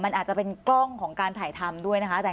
มันอาจจะเป็นกล้องของการถ่ายทำด้วยนะคะ